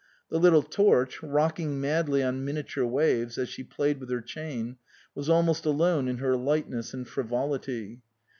The little Torch, rock ing madly on miniature waves as she played with her chain, was almost alone in her light ness and frivolity.